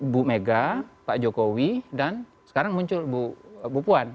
bu mega pak jokowi dan sekarang muncul bu puan